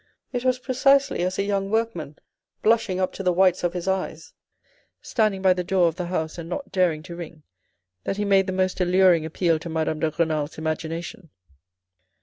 It was precisely as a young workman, blushing up to the whites of his eyes, standing by the door of the house and not daring to ring, that he made the most alluring appeal to Madame de Renal's imagination.